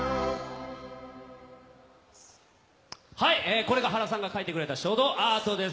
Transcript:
これが原さんが描いてくれた書道アートです。